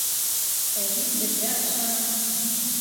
— Ә һин беҙҙә ашаның!